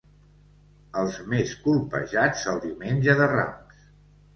Els més colpejats el Diumenge de Rams.